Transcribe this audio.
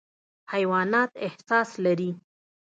حیوانات احساس لري.